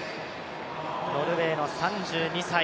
ノルウェーの３２歳。